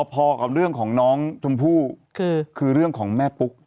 พอกับเรื่องของน้องชมพู่คือเรื่องของแม่ปุ๊ก